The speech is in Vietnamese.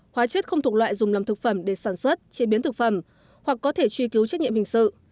hóa chất không thuộc loại dùng làm thực phẩm để sản xuất chế biến thực phẩm hoặc có thể truy cứu trách nhiệm hình sự